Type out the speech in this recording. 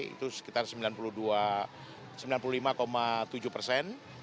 itu sekitar sembilan puluh lima tujuh persen